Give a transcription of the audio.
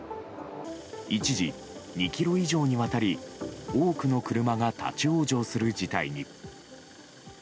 一時２ｋｍ以上にわたり多くの車が立ち往生する事態に。